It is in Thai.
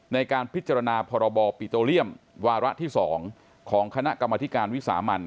ในการพิจารณาพรบปิโตเรียมวาระที่๒ของคณะกรรมธิการวิสามัน